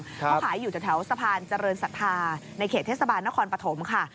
เขาขายอยู่จากแถวสะพานเจริญศรัทธาในเขตเทศบาลนครปฐมค่ะ